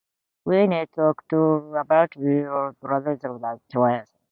We need to talk about your behavior on Tuesday.